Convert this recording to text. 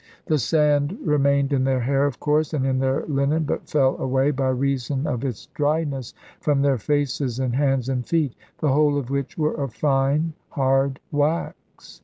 The sand remained in their hair of course, and in their linen, but fell away (by reason of its dryness) from their faces, and hands, and feet, the whole of which were of fine hard wax.